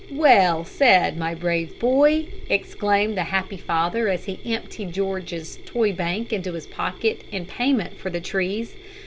"Well said, my brave boy!" exclaimed the happy father as he emptied George's toy bank into his pocket in payment for the trees.